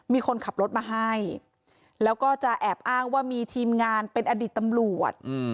มีคนขับรถมาให้แล้วก็จะแอบอ้างว่ามีทีมงานเป็นอดีตตำรวจ